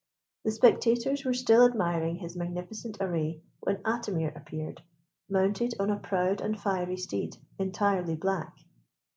The spectators were still admiring his magnificent array, when Atimir appeared, mounted on a proud and fiery steed, entirely black.